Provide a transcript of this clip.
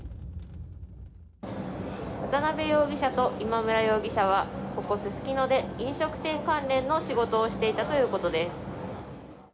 渡邉容疑者と今村容疑者はここ、すすきので飲食店関連の仕事をしていたということです。